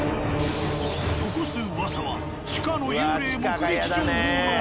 残す噂は地下の幽霊目撃情報のみ。